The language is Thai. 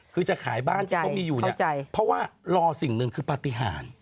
คือจะขายบ้านที่เขามีอยู่เนี่ยเพราะว่ารอสิ่งหนึ่งคือปฏิหาร